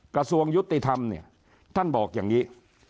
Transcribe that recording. กระทรวงยุติธรรมเนี่ยท่านบอกอย่างนี้